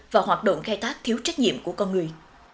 và hoạt động khai thác thiếu trách nhiệm của con người